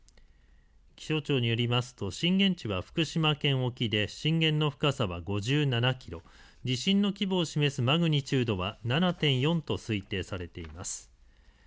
気象庁によりますと震源地は福島県沖で震源の深さは５７キロ、地震の規模を示すマグニチュードは７．４と推定されています。